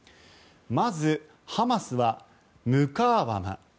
まず、ハマスはムカーワマ。